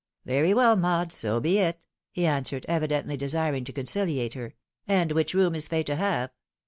" Very well, Maud, so be it," he answered, evidently desiring to conciliate her. " And which room is Fay to have